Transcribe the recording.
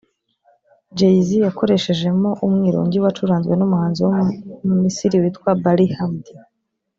Jay Z yakoreshejemo umwirongi wacuranzwe n’umuhanzi wo mu Misiri witwa Baligh Hamdy